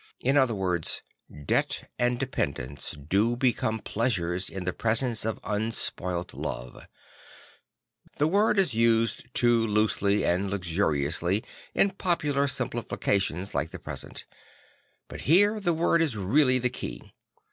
In other words debt and dependence do become pleasures in the presence of unspoilt love; the word is used too loosely and luxuriously in popular simplifications like the pres en t; bu t here the word is really the key.